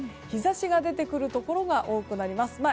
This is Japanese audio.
日差しが出てくるところが多くなります。